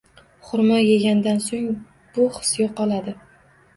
Xurmo yegandan soʻng bu his yoʻqoladi.